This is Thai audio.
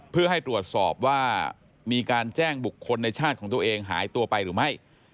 เพื่อให้ตรวจสอบว่ามีการแจ้งบุคคลในชาติของตัวเองหายตัวไปหรือไม่